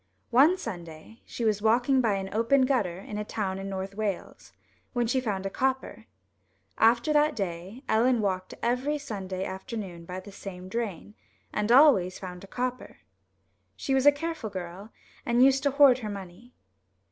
One Sunday she was walking by an open gutter in a town in North Wales when she found a copper. After that day Ellen walked every Sunday afternoon by the same drain, and always found a copper. She was a careful girl, and used to hoard her money.